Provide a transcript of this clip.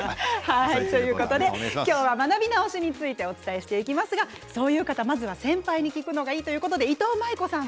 今日は学び直しについてお伝えしていきますがそういう方まず先輩に聞くのがいいということでいとうまい子さん